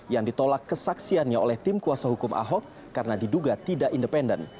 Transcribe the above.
yang ditolak kesaksiannya oleh tim kuasa hukum ahok karena diduga tidak independen